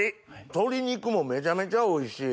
鶏肉もめちゃめちゃおいしい。